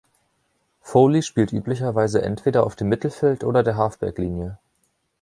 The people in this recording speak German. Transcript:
Foley spielt üblicherweise entweder auf dem Mittelfeld oder der Halfback-Linie.